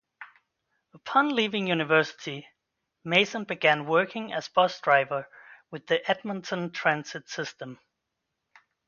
Upon leaving university Mason began working as bus driver with the Edmonton Transit System.